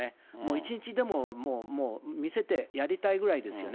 一日でも見せてやりたいぐらいですよね。